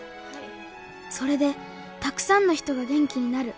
それでたくさんの人が元気になる。